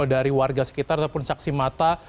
dari warga sekitar ataupun saksi mata